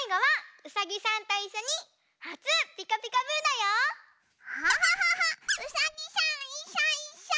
うさぎさんいっしょいっしょ！